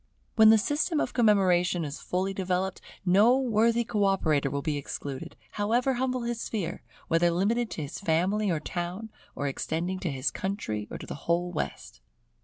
When the system of commemoration is fully developed, no worthy co operator will be excluded, however humble his sphere; whether limited to his family or town, or extending to his country or to the whole West.